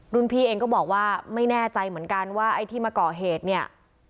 พี่เองก็บอกว่าไม่แน่ใจเหมือนกันว่าไอ้ที่มาก่อเหตุเนี่ย